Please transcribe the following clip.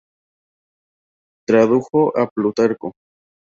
Tradujo a Plutarco.